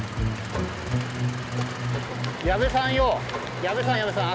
矢部さんよ矢部さん矢部さん